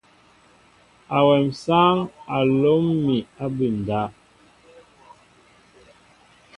Awem sááŋ a lóm mi abunda.